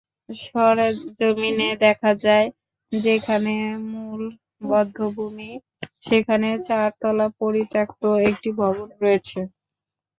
সরেজমিনে দেখা যায়, যেখানে মূল বধ্যভূমি, সেখানে চারতলা পরিত্যক্ত একটি ভবন রয়েছে।